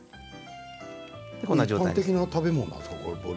一般的な食べ物なんですか。